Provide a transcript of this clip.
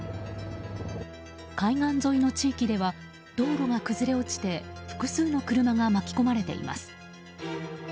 海岸沿いの地域では道路が崩れ落ちて複数の車が巻き込まれています。